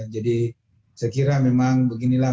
jadi saya kira memang beginilah